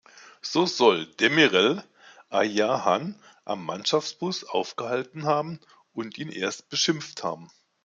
So soll Demirel Ayhan am Mannschaftsbus aufgehalten haben und ihn erst beschimpft haben.